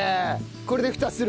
これでフタする？